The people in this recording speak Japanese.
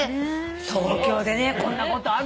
東京でねこんなことある。